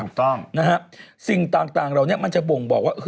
ถูกต้องนะฮะสิ่งต่างเหล่านี้มันจะบ่งบอกว่า